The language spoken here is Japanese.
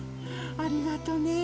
ありがとねうん。